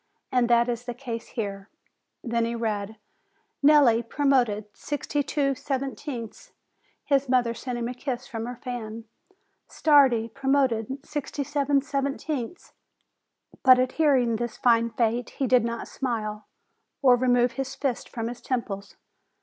And that is the case here." Then he read : "Nelli, promoted, sixty two seventieths." His mother sent him a kiss from her fan. Stardi, pro moted, with sixty seven seventieths! but, at hearing this fine fate, he did not smile, or remove his fists from his temples.